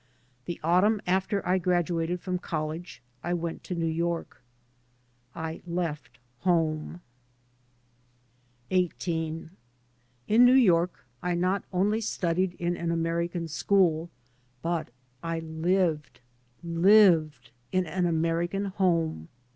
The autumn after I graduated from college I went to New York. I left home. D.D.t.zea by Google CHAPTER XVIII IN New York I not only studied m an American school, but I lived — lived I — in an American home.